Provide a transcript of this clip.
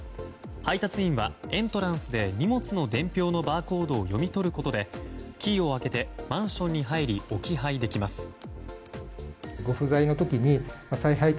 配達員はエントランスで荷物の伝票のバーコードを読み取ることで、キーを開けてマンションに入り置き配できます。